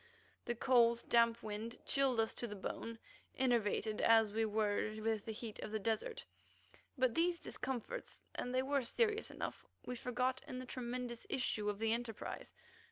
The cold, damp wind chilled us to the bone, enervated as we were with the heat of the desert. But these discomforts, and they were serious enough, we forgot in the tremendous issue of the enterprise.